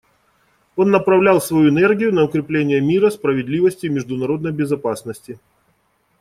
Он направлял свою энергию на укрепление мира, справедливости и международной безопасности.